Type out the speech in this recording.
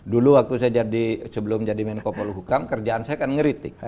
dulu waktu saya jadi sebelum jadi menko poluhukam kerjaan saya kan ngeritik